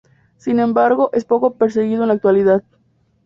Sin embargo, es poco perseguido en la actualidad.